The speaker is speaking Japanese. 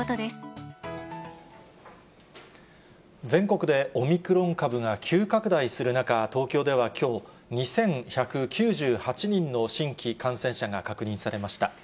全国でオミクロン株が急拡大する中、東京ではきょう、２１９８人の新規感染者が確認されました。